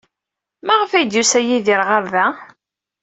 Maɣef ay d-yusa Yidir ɣer da?